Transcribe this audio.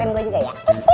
begini begini begini